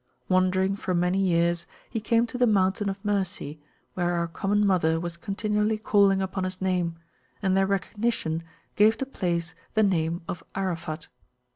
Wandering for many years, he came to the Mountain of Mercy, where our common mother was continually calling upon his name, and their recognition gave the place the name of Arafat.